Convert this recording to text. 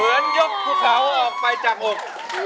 เหมือนยกผู้เขาออกไปจากอก